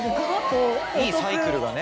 いいサイクルがね。